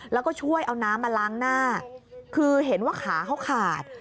แล้วก็ช่วยเอาน้ำมาล้างหน้าคือเห็นว่าขาเขาขาด